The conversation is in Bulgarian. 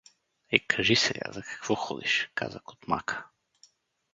— Е, кажи сега, за какво ходиш — каза Кутмака.